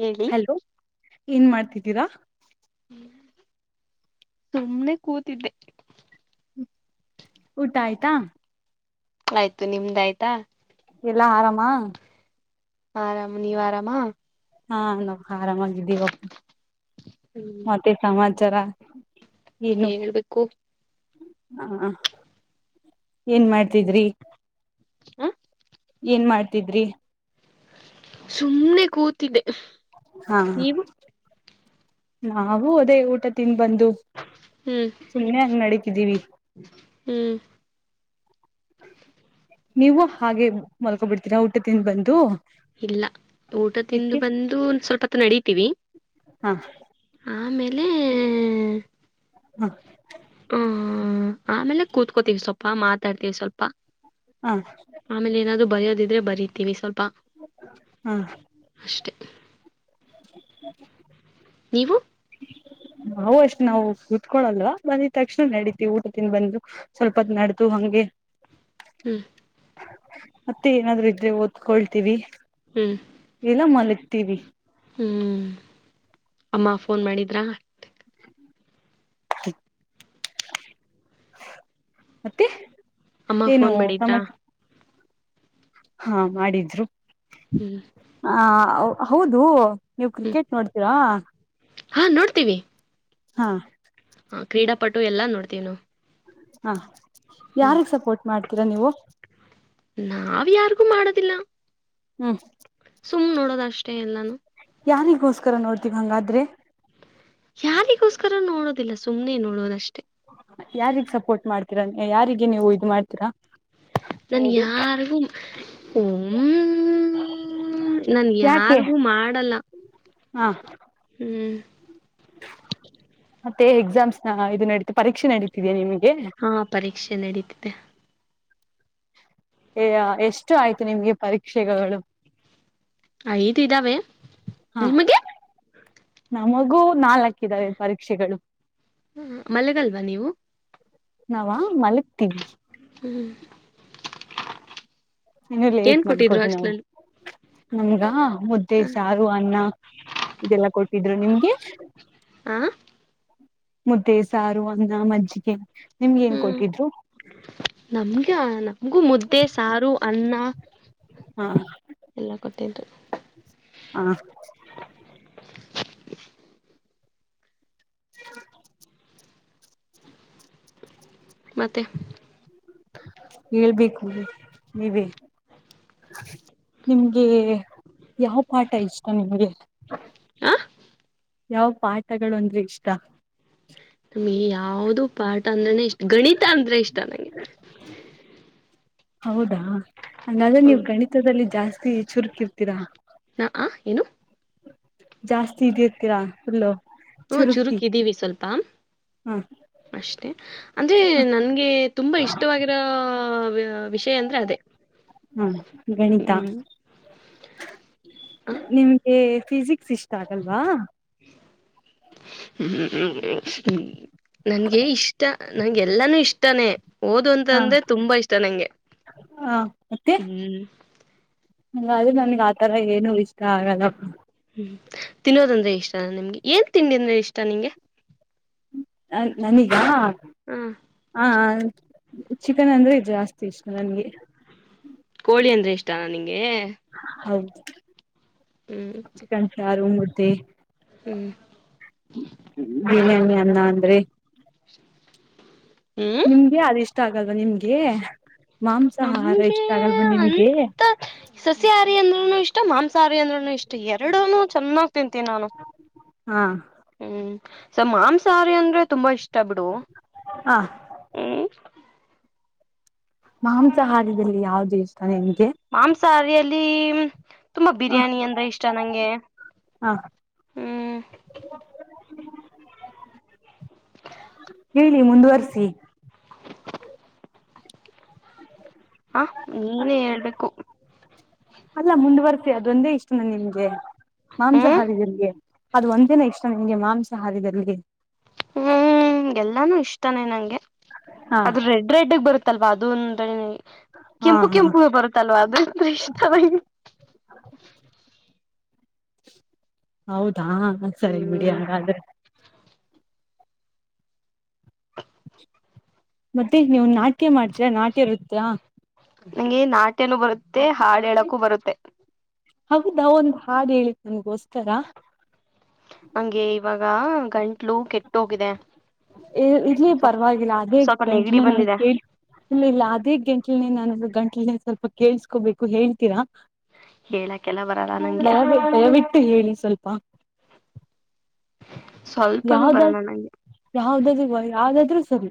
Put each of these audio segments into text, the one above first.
ಹೇಳಿ ಹಲೋ ಏನ್ ಮಾಡ್ತಿದ್ದೀರಾ. ಸುಮ್ನೆ ಕೂತಿದ್ದೆ ಊಟ ಆಯ್ತಾ ಆಯ್ತು ನಿಮ್ದ ಆಯ್ತಾ ಎಲ್ಲಾ ಆರಾಮಾ ಆರಾಮ್ ನೀವ್ ಆರಾಮ ಹಾ ನಾವು ಆರಾಮಾಗಿದ್ದೀವಪ್ಪ ಮತ್ತೆ ಸಮಾಚಾರ ಈ ಹೇಳ್ಬೇಕು ಹಾ ಏನ್ ಮಾಡ್ತಿದ್ರಿ ಹ ಏನ್ ಮಾಡ್ತಿದ್ರಿ ಸುಮ್ಮ್ನೆ ಕೂತಿದೆ ಹಾ ನಾವು ಅದೇ ಊಟ ತಿಂಡಿ ಬಂದು ಹ್ಮ್ ಸುಮ್ಮ್ನೆ ಹ ನಡತಿದ್ದೀವಿ ಹ್ಮ್ ನೀವು ಹಾಗೆ ಮಲ್ಕೊಬಿಡ್ತೀರಾ ಊಟ ತಿಂದ ಬಂದು ಇಲ್ಲ ಊಟ ತಿಂದು ಯಾಕೆ ಬಂದು ಒ ಸ್ವಲ್ಪತ್ರ ನಡತಿವಿ ಹಾ ಆಮೇಲೆ ಹ್ಮ ಹ್ಮ ಆಮೇಲೆ ಕೂತ್ಕೋತೀವಿ ಸ್ವಲ್ಪ ಮಾತಾಡ್ತಿವಿ ಸ್ವಲ್ಪ ಹಾ ಆಮೇಲೆ ಏನಾದ್ ಬರೆಯೋದಿದ್ರೆ ಬರಿತೀವಿ ಸ್ವಲ್ಪ ಹ್ಮ ಅಷ್ಟೇ ಹ [unintelligible] ನೀವು ನವು ಅಷ್ಟ್ ನಾವು ಕುೂತ್ಕೊಳಲ್ವಾ ಬಂದಿದ ತಕ್ಷಣ ನಡೀತಿವಿ ಊಟ ತಿಿಂದ ಬಂದು ಸ್ವಲ್ಪತ್ ನಡದುು ಹಂಗೆ [unintelligible] ಹ್ಮ್ ಮತ್ತೆ ಏನಾದ್ರುೂ ಇದ್ರೆ ಓದ್ಕೊಳ್ತೀವಿ ಹ್ಮ್ ಇಲ್ಲ ಮಲಗ್ತೀವಿ ಹ್ಮ್ ಅಮ್ಮ ಫೋನ್ ಮಾಡಿದ್ರಾ ಮತ್ತೆ ಅಮ್ಮ ಏನು ಫೋನ್ ಮಾಡಿದಾ ಸಮಾಚ ಹಾ ಮಾಡಿದ್ರು ಹ್ಮ್ ಆ ಹೌದು ನೀವು ಹ್ಮ್ ಕ್ರಿಕೆಟ್ ನೋಡ್ತೀರಾ ಹಾ ನೋಡ್ತೀವಿ ಹಾ ಹ ಕ್ರೀಡಾಪಟು ಎಲ್ಲ ನೋಡ್ತೀವಿ ನ ಹಾ ಯಾರಿಗೆ ಸಪೋರ್ಟ್ ಮಾಡ್ತೀರಾ ನೀವು ನಾವ್ ಯಾರಿಗೂ ಮಾಡೋದಿಲ್ಲ ಹ್ಮ ಸುಮ್ಮ್ ನೋಡೋದ ಅಷ್ಟೇ ಎಲ್ಲಾನು ಯಾರಿಗೋಸ್ಕರ ನೋಡ್ತಿವಿ ಹಂಗಾದ್ರೆ ಯಾರಿಗೋಸ್ಕರ ನೋಡೋದಿಲ್ಲ ಸುಮ್ನೆ ನೋಡೋದಷ್ಟೆ ಯಾರಗ್ ಸಪೋರ್ಟ್ ಮಾಡ್ತೀರಾ ಯಾರಿಗೆ ನೀವು ಇ ಮಾಡ್ತೀರಾ ನಾನ ಹೌದು ಯಾರಗೂ ಹ ಹ್ಮ ನನ್ ಯಾಕೆ ಯಾರಿಗೂ ಮಾಡಲ್ಲ ಹ ಹ್ಮ್ ಮತ್ತೆ ಎಕ್ಸಾಮ್ಸ್ ನ ಇದು ನಡೀತ ಪರೀಕ್ಷೆ ನಡೀತಿದೆ ನಿಮಗೆ ಹಾ ಪರೀಕ್ಷೆ ನಡೀತಿದೆ ಎಷ್ಟು ಆಯ್ತು ನಿಮ್ಗೆ ಪರೀಕ್ಷೆಗಳು ಐದು ಇದ್ದಾವೆ ಹಾ ನಿಮಗೆ ನಮಗೂ ನಾಲ್ಕ ಇದಾವೆ ಪರೀಕ್ಷೆಗಳು ಹ ಮಲೆಗಲ್ವಾ ನೀವು ನಾವ ಮಲ್ಲಿ ಹ್ಮ್ ಇನ್ನು ಲೇಟ್ ಏನ್ ಕೊಟ್ಟಿದ್ರು ಮಾಡ್ಕೋದು ನಾವು ಹಾಸ್ಟ್ಲಲ್ಲಿ ನಮ್ಗ ಮುದ್ದೆ ಸಾರು ಅನ್ನ ಇದೆಲ್ಲಾ ಕೊಟ್ಟಿದ್ರು ನಿಮ್ಗೆ ಆ ಮುದ್ದೆ ಸಾರು ಅನ್ನ ಮಜ್ಜಿಗೆ ನಿಮ್ಗೆ ಏನ್ ಕೊಟ್ಟಿದ್ರು ನಮ್ಗೆ ನಮ್ಗೂ ಮುದ್ದೆ ಸಾರು ಅನ್ನ ಹಾ ಇು ಹಾ ಹ [unintelligible] ಮತ್ತೆ ಹೇಳ್ಬೇಕು ನೀವೇ ನಿಮ್ಗೆ ಯಾವ ಪಾಠ ಇಷ್ಟ ನಿಮ್ಗೆ ಹ ಯಾವ ಪಾಠಗಳು ಅಂದ್ರೆ ಇಷ್ಟ ಯಾವ್ದ ಪಾಠ ಅಂದ್ರನೆ ಇಷ್ಟ ಗಣಿತ ಅಂದ್ರೆ ಇಷ್ಟ ನಂಗೆ ಹೌದಾ ನಲ್ಲ ನೀವು್ ಹೌದು ಗಣಿತದಲ್ಲಿ ಜಾಸ್ತಿ ಚುರುಕಿರ್ತೀರಾ ನಾ ಆ ಏನು ಜಾಸ್ತಿ ಇದಿರ್ತೀರಾ ಅುಲ್ಲು ಹ್ಮ ಚುರುಕ್ಿದ್ದೀವಿ ಸ್ವಲ್ಪ ಹ ಅಷ್ಟೆ ಅಂದ್ರೆ ನನ್ಗೆ ತುಂಬಾ ಇಷ್ಟವಾಗಿರ ವಿಷಯ ಅಂದ್ರೆ ಅದೇ. ಹ್ಮ್ಮ್ ಗಣಿತಾ. ಹ್ಮ್ ಹ್ಮ್ ನಿಮ್ಗೆ ಫಿಸಿಕ್ಸ್ ಇಷ್ಟ ಆಗಲ್ವಾ. ಹ್ಮ್ಮ. ನನ್ಗೆ ಇಷ್ಟ ನಂಗೆಲ್ಲಾನು ಇಷ್ಟಾನೇ. ಓದು ಅಂತ ಹ ಅಂದ್ರೆ ತುಂಬಾ ಇಷ್ಟ ನಂಗೆ ಹ ಹ್ಮ್. ಹಂಗ ಅದು ನನ್ಗ್ ಆತರ ಏನು ಇಷ್ಟ ಆಗಲ್ಲಪ್ಪ. ಹ್ಮ್ಮ್ ತಿನ್ನೋದಂದ್ರೆ ಇಷ್ಟ ನಿಮ್ಗೆ ಏನ್ ತಿಂಡಿ ಅಂದ್ರೆ ಇಷ್ಟ ನಿಂಗೆ. ಹಾ ಹ ಹಾ. ಚಿಕನ್ ಅಂದ್ರೆದು ಜಾಸ್ತಿ ಇಷ್ಟ ನನ್ಗೆ. ಕೋಳಿ ಅಂದ್ರೆ ಇಷ್ಟಾನ ನಿಂಗೆ. ಹೌದು ಹ್ಮ್ ಕಂಚಾರು ಮೂರ್ತಿ. ಹ್ಮ್. [unintelligible] ಹ್ಮ್ ನಿಮ್ಗೆ ಅದು ಇಷ್ಟ ಆಗಲ್ವಾ ನಿಮ್ಗೆ. ಮಾಂಸಾಹಾರ ನಮ್ಗೆ ಇಷ್ಟ ಆಗಲ್ವಾ ನಿಮ್ಗೆ ಅಂತ ಸಸಿಹಾರಿ ಅಂದ್ರುನು ಇಷ್ಟ ಮಾಂಸ. ಸಾರಿ ಅಂದ್ರೂ ಇಷ್ಟು ಎರಡು ಚೆನ್ನಾಗಿ ತಿಂತೀನಿ ನಾನು ಹಾ ಹ್ಮ್. ಸ ಮಾಂಸಾಹಾರಿ ಅಂದ್ರೆ ತುಂಬಾ ಇಷ್ಟ ಬಿಡು ಹ ಹ್ಮ. ಮಾಂಸ ಹಾರದಲ್ಲಿ ಯಾವು್ದು ಎಷ್ಟು. ಮಾಂಸಾಹಾರಿಯಲ್ಲಿ. ತುಂಬಾ ಹ ಬಿರಿಯಾನಿ ಅಂದ್ರೆ ಇಷ್ಟ ನಂಗೆ ಹ ಹ್ಮ್. ಹ್ಮ್. ಹೇಳಿ ಮುಂದುವಸಿ. ಹ ನೀನೇ ಹೇಳ್ಬೇಕು. ಅಲ್ಲ ಮುಂದುವರ್ತೀವಿ ಅದೊಂದೇ ಇಷ್ಟನ ನಿಮ್ಗೆ ಹ್ಮ್ ಮಾಂಸಹಾರ. ಅದು ಒಂದೇನ ಇಷ್ಟ ನಿಂಗೆ ಮಾಂಸಾಹಾರದಲ್ಲಿ. ಹ್ಮ್ ಎಲ್ಲಾನು ಇಷ್ಟಾನನೆ ನಂಗೆ ಹಾ ಅದು ರೆಡ್ ರೆಡ್ಗ್ ಬರುತ್ ಅಲ್ವಾ ಇದು ಒಂದು ಕಡೆ. ಹಾ ಕೆಂಪು ಹಾ ಕೆಂಪು ಬರುತ್ತಲ್ವಾ ಅದ್ರ ಇಷ್ಟ. ಹೌದಾ ಸರಿ ಬಿಡಿ ಹ್ಮ್ ಹಾಗಾದ್ರೆ. ಮತ್ತೆ ನೀವು ನಾಟ್ಯ ಮಾಡ್ತೀರಾ ನಾಟ್ಯ ಇರುತ್ತಾ. ನಂಗೆ ನಾಟ್ಯನುೂ ಬರುತ್ತೆ ಹಾಡಕೂ ಬರುತ್ತೆ. ಹೌದ ಒಂದ್ ಹಾಡ್ ಹೇಳಿದ ನನ್ಗೋಸ್ಕರ. ಹಂಗೆ ಇವಾಗ ಗಂಟ್ಲು ಕೆಟ್ಟ ಹೋಗಿದೆ. ಇರ್ಲಿ ಪರವಾಗಿಲ್ಲ ಅದೇ ಸ್ವಲ್ಪ ನೆಗಡಿ ಗಂಟಿನ ನನ್ ಬಂದಿದೆ ಕೇಳ. ಇಲ್ಲ ಇಲ್ಲ ಅದೇ ಗಂಟ್ಲನೆ ನಾನು ಗಂಟ್ಲ ಸ್ವಲ್ಪ ಕೇಳ್ಸ್ಕೋಬೇಕು ಹೇಳ್ತೀರಾ. ಹೇಳಕ್ಕೆಲ್ಲ ಬರಲ್ಲ ನಂಗೆ ದಯವಿಟ್ಟ ದಯವಿಟ್ಟು ಹೇಳಿ ಸ್ವಲ್ಪ. ಸ್ವಲ್ಪನೂ ಯಾವ್ದಾದ ಬರಲ್ಲ ನಂಗೆ ಯಾವ್ದಾದ ಯಾವ್ದಾದ್ರೂ ಸರಿ.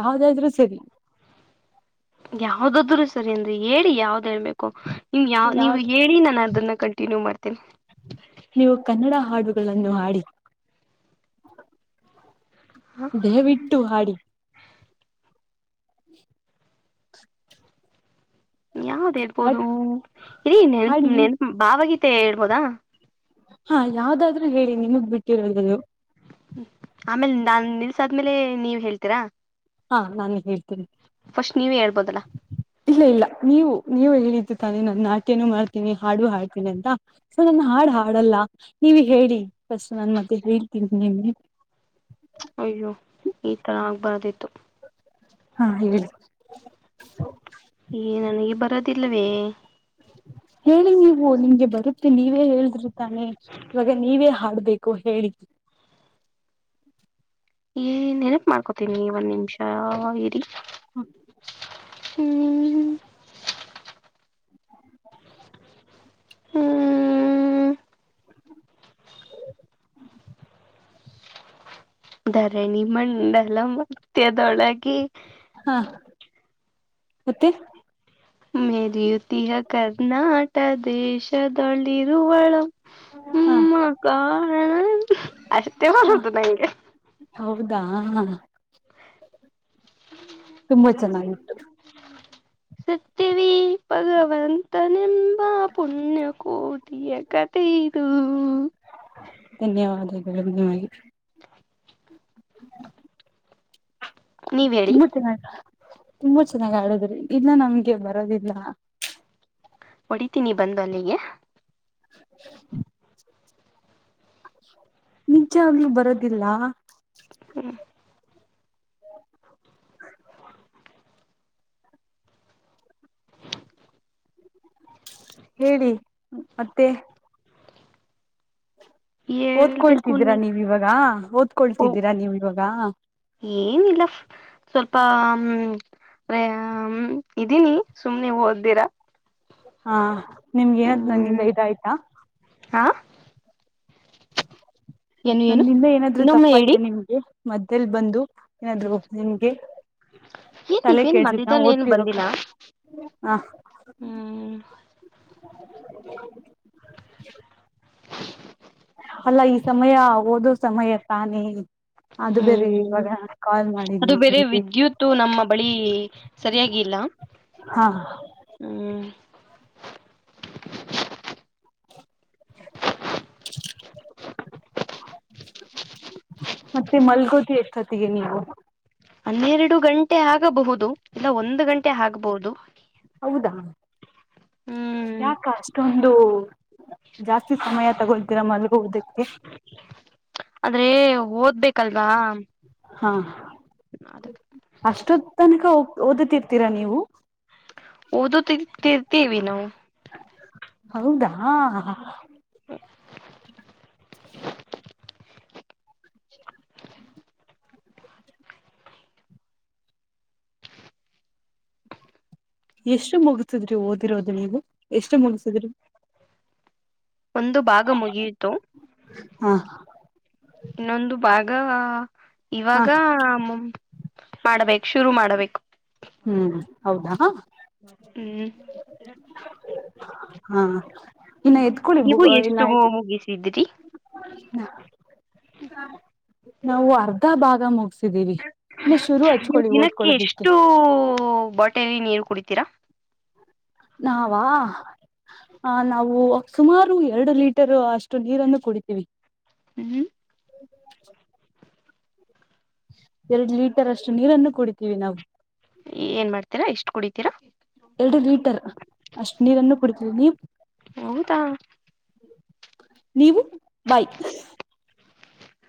ಯಾವದಾದ್ರೂ ಸರಿ. ಯಾವ್ದಾದರು ಸರಿ ಅಂದ್ರಿ ಹೇಳಿ ಯಾವ್ದ್ ಹೇಳ್ಬೇಕು ನಿಮ್ ಯಾವ ನೀವು ಯಾವ್ ಹೇಳಿ ನಾನ ಅದನ್ನ ಕಂಟನ್ಯೂ ಮಾಡ್ತಿ- ನೀವು ಕನ್ನಡ ಹಾಡುಗಳನ್ನು ಹಾಡಿ. ದಯಾಬಿಟು ಹಾಡಿ ಯಾವ್ದ್ ಹೇಳ್ಬೋದು ಹಾಡ್ ಇರಿ ನೆನ್ಪ ಹಾಡಿ ನೆನ್ಪ ಭಾವಗೀತೆ ಹೇಳ್ಬೋದಾ. ಹಾ ಯಾವ್ದಾದ್ರರು ಹೇಳಿ ನಿಮಗ್ ಬಿಟ್ಟಿರದದು. ಆಮೇಲ್ ನಾನ್ ನಿಲ್ಸಾದ್ಮೇಲೆ ನೀವ್ ಹೇಳ್ತೀರಾ. ಹಾ ನಾನೇ ಹೇಳ್ತೀನಿ ಫಸ್ಟ್ ನೀವೇ ಹೇಳ್ಬೋದಲ್ಲ ಇಲ್ಲ ಇಲ್ಲ ನೀವು. ನೀವು ಹೇಳಿದ್ದು ತಾನೆ ನನ್ನ ನಾಟ್ಯನು ಮಾಡ್ತೀನಿ ಹಾಡು ಹಾಡ್ತೀನಿ ಅಂತ ಸೊ ನನ್ನ ಹಾಡು ಹಾಡಲ್ಲ. ನೀ ಹೇಳಿ ಫಸ್ಟ್ ನಾನನ್ ಮತ್ತೆ ಹೇಳ್ತೀನಿ ನಿಮಗೆ. ಅಯ್ಯೋ ಈ ತರ ಆಗ್ಬಾರದಿ ಇತ್ತು. ಹಾ ಹೇಳಿ. ತಿಿಲ್ಲವೇ ಹೇಳಿ ನೀವು ನಿಂಗೆ ಬರುತ್ತೆ ನೀವೇ ಹೇಳ್ದಿರುತಾನೆ ಇವಾಗ ನೀವೇ ಹಾಡ್ಬೇಕು ಹೇಳಿ ಏ ನೆನಪ ಮಾಡ್ಕೋತೀನಿ ಒಂದ್ ನಿಮಿಷ ಇರಿ ಹ್ಮ ಹ್ಮ್ ಧರಣಿ ಮಂಡಲ ಮತ್ತದೊಳಗೆ ಹಾ ಮತ್ತೆ ಮೇರಿಯುತಿಯ ಕರ್ನಾಟ ದೇಶಳಿ ರುವಳಂ ಹಾ ಹ್ಮ ಕಣ ಅಷ್ಟೇ ಹಾ ಮಾಡದು ನಂಗೆ ಹೌದಾ ತುಂಬಾ ಚೆನ್ನಾಗಿತ್ತು ಸತ್ಯವೇ ಭಗವಂತನೆಂಬ ಪುಣ್ಯಕೋಟಿಯ ಕಥೆಯದು ಧನ್ಯವಾದಗಳು ನಿಮಗೆ ನೀವ್ ಹೇಳಿ ತುಂಬಾ ಚೆನ್ನಾಗ ತುಂಬಾ ಚೆನ್ನಾಗ್ ಆಡದ್ರಿ ಇಲ್ಲ ನಮ್ಗೆ ಬರೋದಿಲ್ಲ ಹೊಡಿತೀನಿ ಬಂದ ಅಲ್ಲಿಗೆ [inaudible] ನಿಜಾಗಲೂ ಬರೋದಿಲ್ಲ ಹೇಳಿ ಮತ್ತೆ ಹೇಳ್ಬೇಕು ಓದ್ಕೊಳ್ತಿದ್ದೀರಾ ನೀ ನೀವ್ ಇವಾಗ ಓ ಓದ್ಕೊಳ್ತಿದ್ದೀರಾ ನೀವ್ ಇವಾಗ ಏನಿಲ್ಲ ಸ್ವಲ್ಪ ಹ್ಮ ಅೆ ಇದೀನಿ ಸುಮ್ನೆ ನೀವು್ ಓದ್ದಿರಾ ಹಾ ನಿಮ್ಗೆ ಏನಾದ ಹ್ಮ್ ನನ್ನಿಂದ ಇದ ಆಯ್ತಾ ಹಾ ಏನು ಏನು ನನ್ನಿಂದ ಏನಾದ್ರುೂ ಇನ್ನೊಮ್ಮೆ ಹೇಳಿ ತಪ್ಪಐ್ತೆ ನಿಮ್ಗೆ ಮಧ್ಯೇಲ್ ಬಂದು ಏನಾದ್ೂ ನಿಮ್ಗೆ ಏನ್ ತಲೆ ನೀವೇನ್ ಕೇಳ್ಸತ್ ನಾ ಮಧ್ಯದಲ್ಲಿ ಏನು ಓದ್ತಿರೋಕ್ಕ ಬಂದಿಲ್ಲ ಹ [inaudible] [inaudible] ಅಲ್ಲ ಈ ಸಮಯ ಓದೋ ಸಮಯ ತಾನೇ ಅದು ಬೇರೆ ಹ್ಮ್ ಇವಾಗ ಕಾಲ್ ಅದು ಮಾಡಿದ್ವಿ ಬೇರೆ ನಿಮಗೆ ವಿದ್ಯುತ್ ನಮ್ಮ ಬಳಿ ಸರಿಯಾಗಿ ಹಾ ಹ್ಮ [inaudible] ಮತ್ತೆ ಮಲ್ಗೋತಿ ಎಕತ್ತಿಗೆ ನೀವು ಹನ್ನೆರಡು ಗಂಟೆ ಆಗಬಹುದು ಇಲ್ಲ ಒಂದು್ ಗಂಟೆ ಆಗ್ಬಹುದು ಹೌದಾ ಹ್ಮ್ ಯಾಕ ಅಷ್ಟೊಂದು ಜಾಸ್ತಿ ಸಮಯ ತಗೋತೀರ ಮಲಗುವುದಕ್ಕೆ ಆದ್ರೆ ಓದ್ಬೇಕಲ್ವಾ ಹಾ ಅದಕ್ಕೆ ಅಷ್ಟೊ ತನಕ ಓದತಿಿರ್ತೀರಾ ನೀವು ಓದು ತಿ ತಿರ್ತಿವಿ ನಾವು ಹೌದಾ ಇಷ್ಟ ಎಷ್ಟು ಮುಗಸಿದ್ರಿ ಓದಿರೋದು ನೀವು ಎಷ್ಟು ಮುಗಸಿದ್ರಿ ಒಂದು ಭಾಗ ಮುಗಿಯಿತು ಹ ಇನ್ನೊಂದು ಭಾಗ ಹ ಇವಾಗ ಮಾಡ್ಬೇಕಕ್ ಶುರು ಮಾಡ್ಬೇಕು ಹ್ಮ್ ಹೌದಾ ಹ್ಮ್ [unintelligible] ಹಾ ಇನ್ನ ಎತ್ಕೊಳ್ಳಿ ಬ ನೀವು ಇನ್ನ ಎಷ್ಟು ಮುಗಿಸಿದ್ರಿ ನಾವು ಅರ್ಧ ಭಾಗ ಮುಗಸವಿ ಇ ಶುರು ಹಚ್ಕೊಳ್ಳಿ ಓದ್ಕೊೊಳ್ಳದಿಕ್ಕೆ ಹೋಟೆಲ್ ನೀರು ಕುಡಿತೀರಾ ನಾವ ಹ ನಾವು ಸುಮಾರು ಎರಡು ಲೀಟರ್ ಅಷ್ಟು ನೀರನ್ನು ಕುಡಿತೀವಿ ಹ್ಮ್ [unintelligible] ಎರಡ್ ಲೀಟರ್ ಅಷ್ಟು ನೀರನ್ನು ಕುಡಿತೀವಿ ನಾವು ಏನ್ ಮಾಡ್ತೀರಾ ಎಷ್ಟು ಕುಡಿತೀರಾ ಎರಡು ಲೀಟರ್ ಅಷ್ಟ್ ನೀರನ್ನು ಕುಡತೀರಿ ನೀ ಹೌದಾ ನೀವು ಬೈ